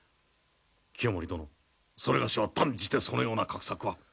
清盛殿それがしは断じてそのような画策は。